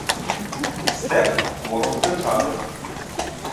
Степ — ворог держави.